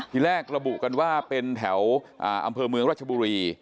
ทีแรกระบุกันว่าเป็นแถวอำเภอเมืองรัชบุรี